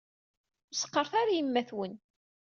Ur s-qqaṛet ara i yemma-twen.